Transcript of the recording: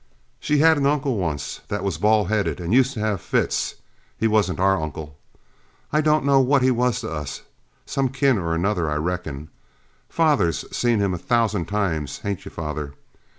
She had an uncle once that was bald headed and used to have fits; he wasn't our uncle, I don't know what he was to us some kin or another I reckon father's seen him a thousand times hain't you, father!